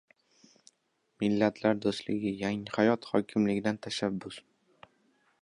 “Millatlar do‘stligi”: Yangihayot hokimligidan tashabbus